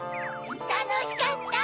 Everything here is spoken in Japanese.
たのしかった。